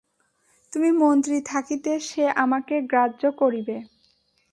তুমি মন্ত্রী থাকিতে সে আমাকে গ্রাহ্য করিবে!